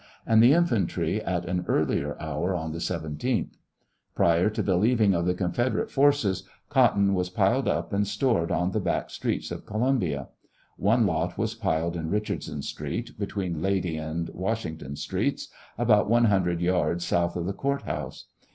and the infantry at an earlier hoor, on the 17th. Prior to the leaving of the Confederate forces cotton was piled up and stored on the back streets of Columbia. One lot was piled in Eichardson street, betsveen Lady and Washington streets, about one hundred yards south of the Court house.